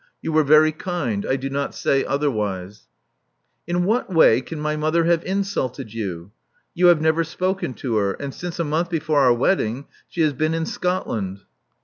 You were very kind: I do not say otherwise." In what way can my mother have insulted you? You have never spoken to her; and since a month before our wedding she has been in Scotland."